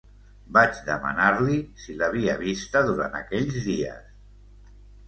Vaig demanar-li si l'havia vista durant aquells dies.